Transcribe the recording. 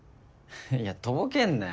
いやとぼけんなよ。